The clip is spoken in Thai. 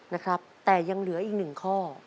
นะครับแต่ยังเหลืออีก๑ข้อ